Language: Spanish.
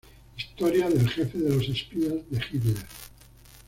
Historia del jefe de los espías de Hitler".